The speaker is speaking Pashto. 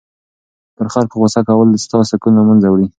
پر خلکو غصه کول ستا سکون له منځه وړي.